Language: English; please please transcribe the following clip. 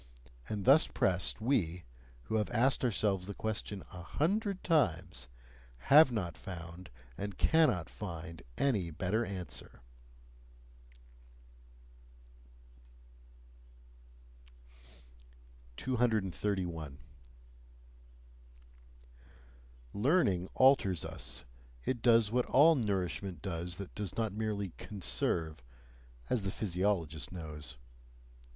And thus pressed, we, who have asked ourselves the question a hundred times, have not found and cannot find any better answer.... 231. Learning alters us, it does what all nourishment does that does not merely "conserve" as the physiologist knows.